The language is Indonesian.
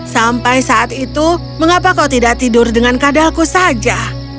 sampai saat itu mengapa kau tidak tidur dengan kadalku saja